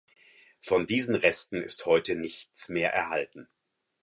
Von diesen Resten ist heute nichts mehr erhalten.